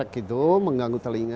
gitu mengganggu telinga